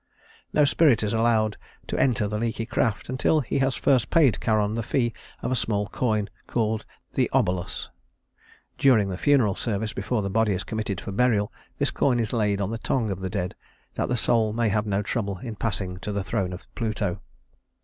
No spirit is allowed to enter the leaky craft until he has first paid Charon the fee of a small coin called the obolus. (During the funeral services, before the body is committed for burial, this coin is laid on the tongue of the dead, that the soul may have no trouble in passing to the throne of Pluto.)